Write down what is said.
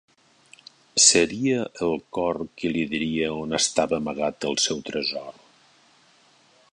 Seria el cor qui li diria on estava amagat el seu tresor.